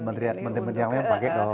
menteri menteri yang lain pakai